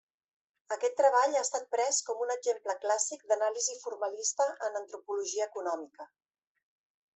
Aquest treball ha estat pres com un exemple clàssic d'anàlisi formalista en Antropologia Econòmica.